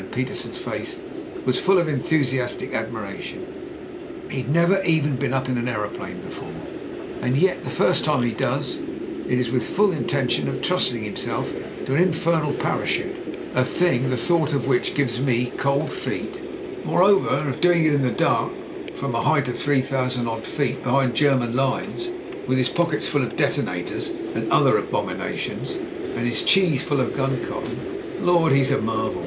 '* Petersen's face was full of enthusiastic admiration. "He'd never even been up in an aeroplane before, and yet the first time he does, it is with the full intention of trusting him self to an infernal parachute, a thing the thought of which gives me cold feet; moreover, of doing it in the dark from a height of three thousand odd feet behind the German lines with his pockets full of de tonators and other abominations, and his cheese full of gun cotton. Lord ! he's a marvel.